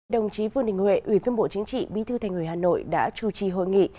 đồng chí vương đình huệ ủy viên bộ chính trị bí thư thành ủy hà nội đã chủ trì hội nghị